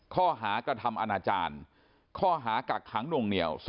ข้อหากระทำอนาจารย์ข้อหากักขังนวงเหนียว